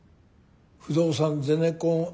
不動産ゼネコンＩＴ。